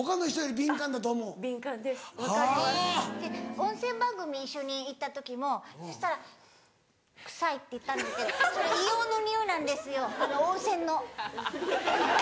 温泉番組一緒に行った時もそしたら「臭い」って言ったんですけどそれ硫黄のにおいなんですよ温泉の。